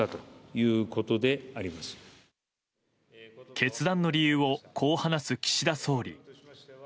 決断の理由をこう話す岸田総理。